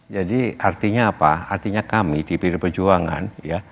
jadi artinya apa artinya kami di pd perjuangan